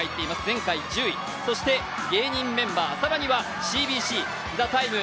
前回１０位、そして芸人メンバー、ＣＢＣ、「ＴＨＥＴＩＭＥ，」